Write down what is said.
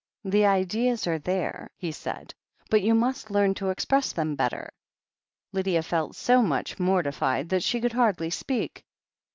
"The ideas are there," he said, "but you must learn to express them better." Lydia felt so much mortified that she could hardly speak.